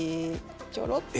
ちょろっと。